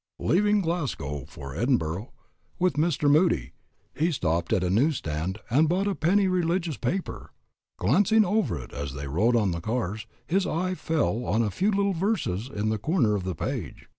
Leaving Glasgow for Edinburg with Mr. Moody, he stopped at a news stand and bought a penny religious paper. Glancing over it as they rode on the cars, his eye fell on a few little verses in the corner of the page.